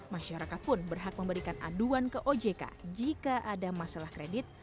masyarakat pun berhak memberikan aduan ke ojk jika ada masalah kredit